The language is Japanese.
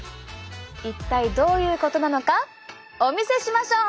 一体どういうことなのかお見せしましょう。